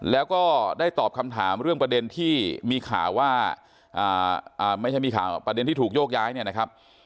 แล้วก็ได้ตอบคำถามเรื่องประเด็นที่มีข่าวว่าไม่ใช่มีข่าวประเด็นที่ถูกโยกย้ายเนี่ยนะครับ